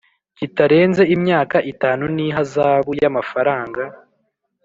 kitarenze imyaka itanu n ihazabu y amafaranga